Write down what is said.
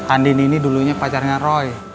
andin ini dulunya pacarnya roy